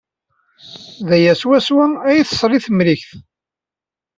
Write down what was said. D aya swaswa ay tesri Temrikt.